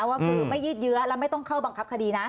ว่าคือไม่ยืดเยื้อและไม่ต้องเข้าบังคับคดีนะ